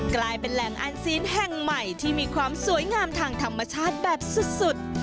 กลายเป็นแหล่งอันซีนแห่งใหม่ที่มีความสวยงามทางธรรมชาติแบบสุด